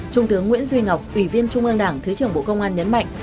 trung tướng nguyễn duy ngọc ủy viên trung ương đảng thứ trưởng bộ công an nhấn mạnh